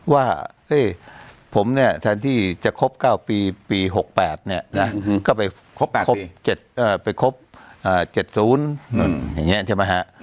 ว่าผมเนี่ยแทนที่จะครบ๙ปีปี๖๘เนี่ยก็ไปครบ๗๐อย่างเงี้ยใช่มั้ยฮะ